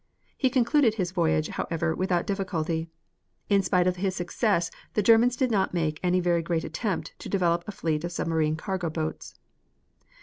He concluded his voyage, however, without difficulty. In spite of his success the Germans did not make any very great attempt to develop a fleet of submarine cargo boats.